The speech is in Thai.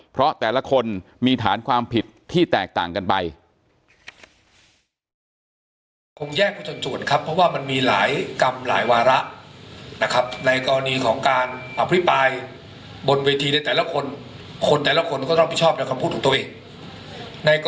เพราะแต่ละคนมีฐานความผิดที่แตกต่างกันไป